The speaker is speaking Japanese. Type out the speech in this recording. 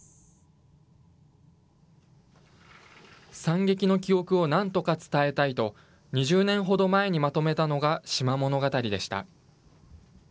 惨劇の記憶をなんとか伝えたいと、２０年ほど前にまとめたのが島物語でした。